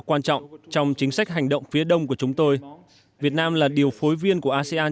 quan trọng trong chính sách hành động phía đông của chúng tôi việt nam là điều phối viên của asean